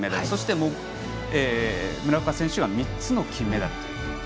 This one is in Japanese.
そして村岡選手は３つの金メダル。